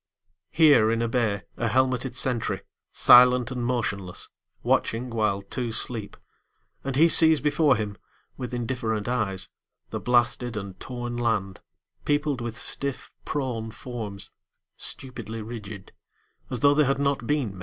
Here in a bay, a helmeted sentry Silent and motionless, watching while two sleep, And he sees before him With indifferent eyes the blasted and torn land Peopled with stiff prone forms, stupidly rigid, As tho' they had not been men.